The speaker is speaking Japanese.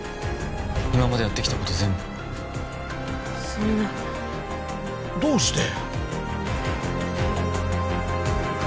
今までやってきたこと全部そんなどうして？